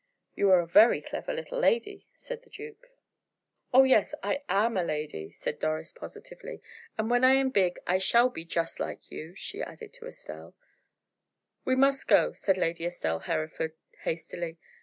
"You are a very clever little lady," said the duke. "Oh, yes, I am a lady," said Doris, positively, "and when I am big I shall be just like you," she added to Estelle. "We must go," said Lady Estelle Hereford, hastily.